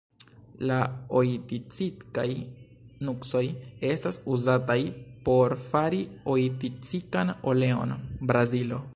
La oiticikaj nuksoj estas uzataj por fari oiticikan oleon (Brazilo).